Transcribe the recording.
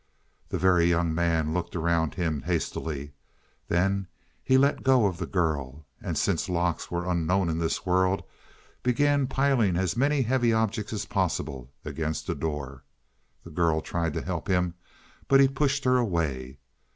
The Very Young Man looked around him hastily. Then he let go of the girl, and, since locks were unknown in this world, began piling as many heavy objects as possible against the door. The girl tried to help him, but he pushed her away.